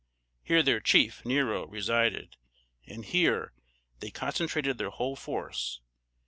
Here their chief, Nero, resided; and here they concentrated their whole force.